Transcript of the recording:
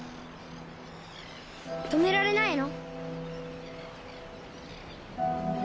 止められないの？